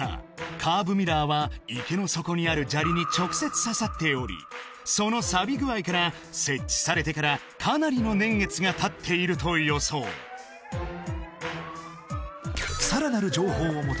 カーブミラーは池の底にある砂利に直接刺さっておりそのサビ具合から設置されてからかなりの年月がたっていると予想さらなる情報を求め